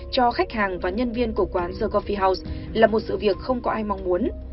cho khách hàng và nhân viên của quán secorphe house là một sự việc không có ai mong muốn